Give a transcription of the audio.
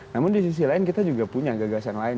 namun di sisi lain kita juga punya gagasan lain